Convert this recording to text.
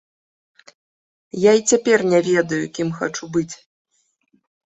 Я і цяпер не ведаю, кім хачу быць.